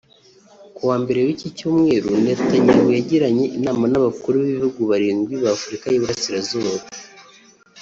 Kuwa Mbere w’iki cyumweru Netanyahu yagiranye inama n’abakuru b’ibihugu barindwi ba Afurika y’Uburasirazuba